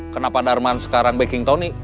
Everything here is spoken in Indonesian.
kenapa darman sekarang backing tony